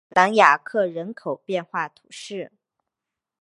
朗雅克人口变化图示